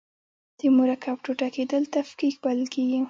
د مرکب ټوټه کیدل تفکیک بلل کیږي.